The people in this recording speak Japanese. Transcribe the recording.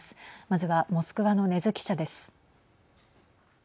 まずはモスクワの禰津記者です。